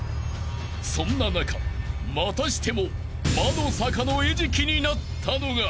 ［そんな中またしても魔の坂の餌食になったのが］